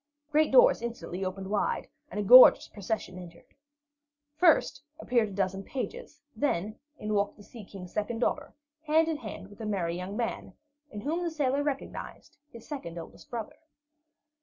Great doors instantly opened wide, and a gorgeous procession entered. First, appeared a dozen pages; then, in walked the Sea King's second daughter, hand in hand with a merry young man, in whom the sailor recognized his second oldest brother.